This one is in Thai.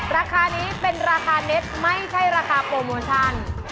ราคานี้เป็นราคาเน็ตไม่ใช่ราคาโปรโมชั่น